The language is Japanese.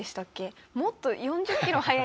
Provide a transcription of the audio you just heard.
もっと。